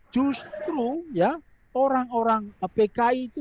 justru ya orang orang pki itu membela kaum tni